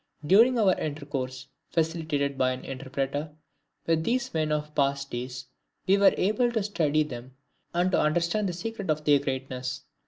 During our intercourse, facilitated by an interpreter, with these men of past days, we were able to study them and to understand the secret of their greatness.